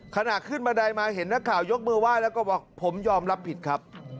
ขณะขึ้นบันไดมาเห็นนักข่าวยกมือไห้แล้วก็บอกผมยอมรับผิดครับ